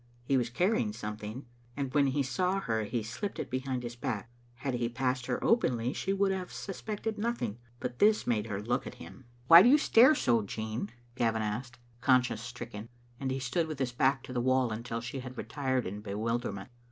He was carrying something, and when he saw her he slipped it behind his back. Had he passed her openly she would have suspected nothing, but this made her look at him. Digitized by VjOOQ IC M (Tbe Xittle Ainidtet. "Why do you stare so, Jean?" Gavin asked, con* science stricken, and he stood with his back to the wall until she had retired in bewilderment.